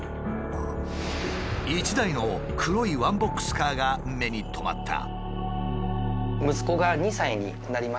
一台の黒いワンボックスカーが目に留まった。